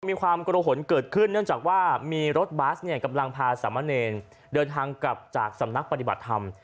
มีความกระหนเกิดขึ้นเนื่องจากว่ามีรถบัสเนี่ยกำลังพาสามะเนรเดินทางกลับจากสำนักปฏิบัติธรรม